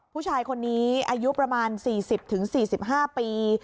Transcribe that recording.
ผู้ชายคนนี้อายุประมาณ๔๐๔๕ปี